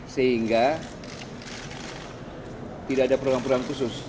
sehingga tidak ada program program khusus